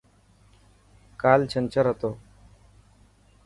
ڪال چنڇر هتو.